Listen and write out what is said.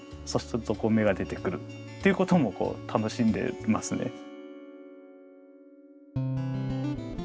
そうすると芽が出てくるっていうこともこう楽しんでますね。